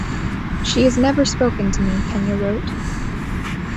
She has never spoken to me, Kenya wrote.